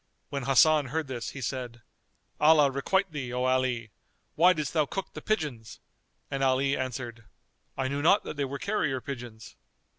When Hasan heard this he said, "Allah requite thee, O Ali! Why didst thou cook the pigeons?"; and Ali answered, "I knew not that they were carrier pigeons."